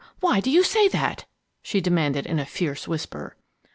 Why do you say that?" she demanded in a fierce whisper.